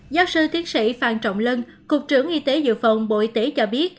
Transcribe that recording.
giáo sư tiến sĩ phan trọng lân cục trưởng y tế dự phòng bộ y tế cho biết